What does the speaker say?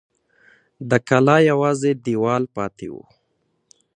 د کلا یوازې دېوال پاته و.